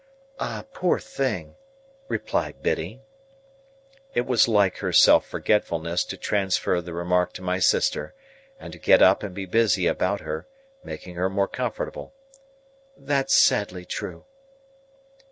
"Ah, poor thing!" replied Biddy. It was like her self forgetfulness to transfer the remark to my sister, and to get up and be busy about her, making her more comfortable; "that's sadly true!"